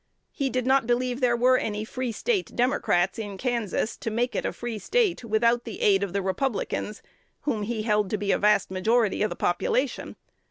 He did not believe there were any "Free State Democrats" in Kansas to make it a Free State without the aid of the Republicans, whom he held to be a vast majority of the population.